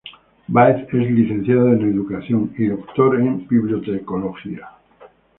Báez es Licenciado en Educación y Doctor en Bibliotecología.